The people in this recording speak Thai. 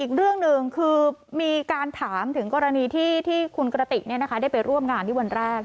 อีกเรื่องหนึ่งคือมีการถามถึงกรณีที่คุณกระติกได้ไปร่วมงานที่วันแรก